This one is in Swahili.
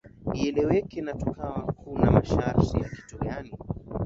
ieleweki na tukawa kuna mashaka ni kitu gani